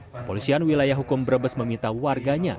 kepolisian wilayah hukum brebes meminta warganya